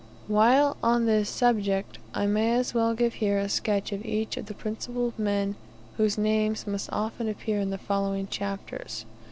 While on this subject, I may as well give here a sketch of each of the principal men whose names must often appear in the following chapters.